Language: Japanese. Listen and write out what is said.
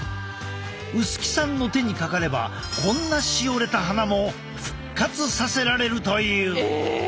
薄木さんの手にかかればこんなしおれた花も復活させられるという。